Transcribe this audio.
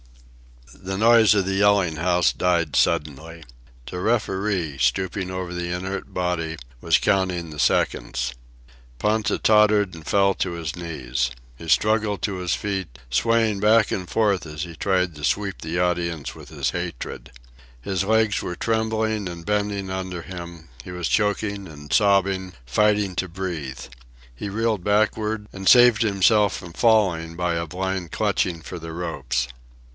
The noise of the yelling house died suddenly. The referee, stooping over the inert body, was counting the seconds. Ponta tottered and fell to his knees. He struggled to his feet, swaying back and forth as he tried to sweep the audience with his hatred. His legs were trembling and bending under him; he was choking and sobbing, fighting to breathe. He reeled backward, and saved himself from falling by a blind clutching for the ropes.